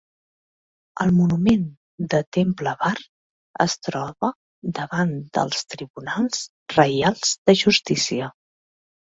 El monument de Temple Bar es troba davant dels Tribunals Reials de Justícia.